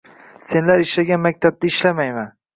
Senlar ishlagan maktabda ishlamayman.